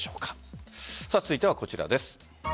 続いてはこちらです。